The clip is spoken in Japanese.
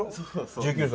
１９歳。